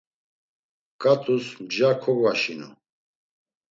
Ǩat̆us mja kogvaşinu.